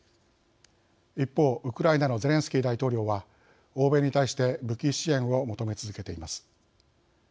一方、ウクライナのゼレンスキー大統領は欧米に対して武器支援を求め続けています。